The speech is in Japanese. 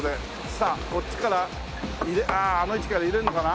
さあこっちからあああの位置から入れるのかな？